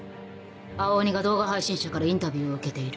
青鬼が動画配信者からインタビューを受けている。